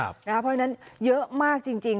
เพราะฉะนั้นเยอะมากจริง